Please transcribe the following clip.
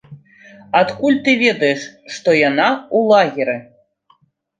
Адкуль ты ведаеш, што яна ў лагеры?